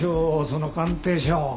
その鑑定書。